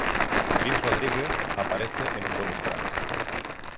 Liz Rodriguez aparece en un bonus track.